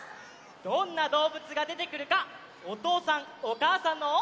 どんなどうぶつがでてくるかおとうさんおかあさんのはなをおしてみましょう！